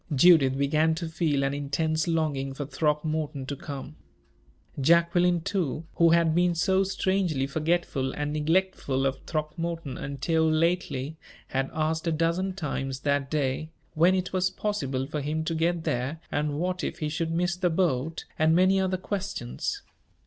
Judith began to feel an intense longing for Throckmorton to come. Jacqueline, too, who had been so strangely forgetful and neglectful of Throckmorton until lately, had asked a dozen times that day, when it was possible for him to get there, and what if he should miss the boat, and many other questions.